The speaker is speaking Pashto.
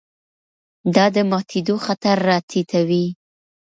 دا د ماتېدو خطر راټیټوي.